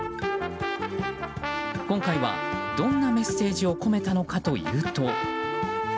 今回は、どんなメッセージを込めたのかというと。